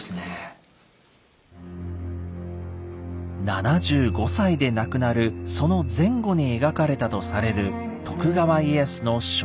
７５歳で亡くなるその前後に描かれたとされる徳川家康の肖像画。